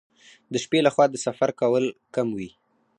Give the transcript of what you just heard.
د شپې لخوا د سفر کول کم وي.